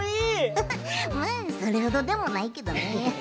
フフッそれほどでもないけどね。